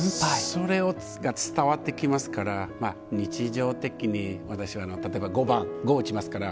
それが伝わってきますから日常的に私は例えば碁盤碁を打ちますから。